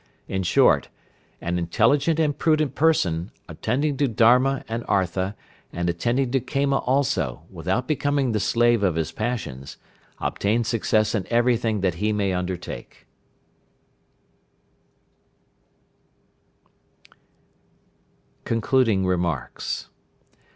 "In short, an intelligent and prudent person, attending to Dharma and Artha, and attending to Kama also, without becoming the slave of his passions, obtains success in everything that he may undertake." =END OF PART VII.= CONCLUDING REMARKS.